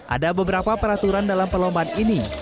ada beberapa peraturan dalam perlombaan ini